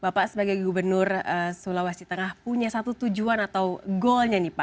bapak sebagai gubernur sulawesi tengah punya satu tujuan atau goalnya nih pak